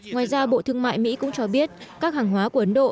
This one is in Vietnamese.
ngoài ra bộ thương mại mỹ cũng cho biết các hàng hóa của ấn độ